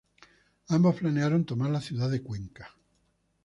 Ambos planearon tomar la ciudad de Cuenca.